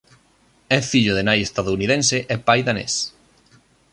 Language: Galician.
É fillo de nai estadounidense e pai danés.